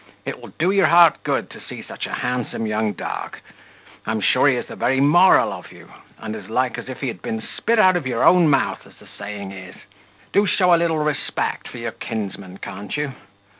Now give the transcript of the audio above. It will do your heart good to see such a handsome young dog; I'm sure he is the very moral of you, and as like as if he had been spit out of your own mouth, as the saying is: do show a little respect for your kinsman, can't you?"